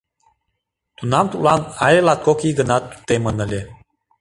Тунам тудлан але латкок ий гына темын ыле.